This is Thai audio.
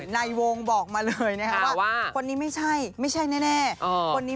สุงคราก็จะไป